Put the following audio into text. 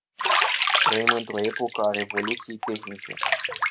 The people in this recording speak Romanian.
Trăim într-o epocă a revoluției tehnice.